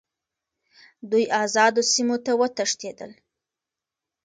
دوی آزادو سیمو ته وتښتېدل.